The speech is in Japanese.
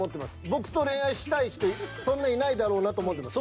僕と恋愛したい人そんないないだろうなと思ってます。